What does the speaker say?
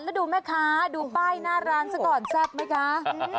แล้วดูแม่ค้าดูป้ายหน้าร้านซะก่อนแซ่บไหมคะ